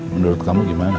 menurut kamu gimana